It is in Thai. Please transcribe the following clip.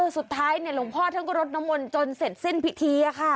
สุดท้ายหลวงพ่อท่านก็รดน้ำมนต์จนเสร็จสิ้นพิธีค่ะ